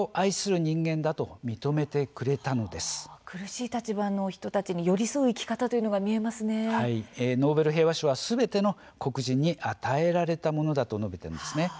苦しい立場の人たちに寄り添う生き方というのがノーベル平和賞はすべての黒人に与えられたものと述べています。